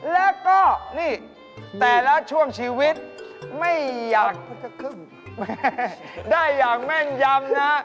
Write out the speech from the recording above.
แล้วก็นี่แต่ละช่วงชีวิตไม่อยากพุทธึมแม่ได้อย่างแม่นยำนะ